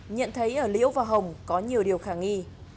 nhận thấy ở liễu và hồng có nhiều điều khả nghi